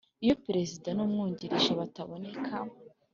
Iyo perezida n umwungirije bataboneka